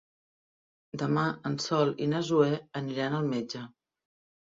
Demà en Sol i na Zoè aniran al metge.